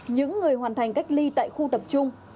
những người hoàn thành cách ly tại khu tập trung